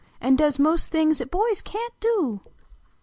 An does most things at bovs can t do!